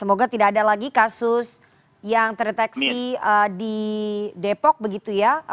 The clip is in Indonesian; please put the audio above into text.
semoga tidak ada lagi kasus yang terdeteksi di depok begitu ya